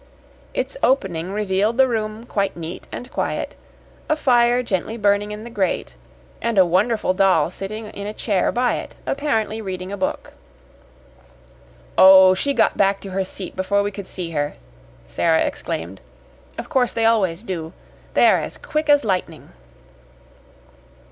Its opening revealed the room quite neat and quiet, a fire gently burning in the grate, and a wonderful doll sitting in a chair by it, apparently reading a book. "Oh, she got back to her seat before we could see her!" Sara explained. "Of course they always do. They are as quick as lightning."